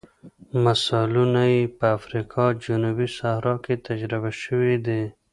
مثالونه یې په افریقا جنوب صحرا کې تجربه شوي دي.